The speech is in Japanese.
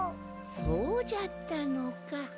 そうじゃったのか。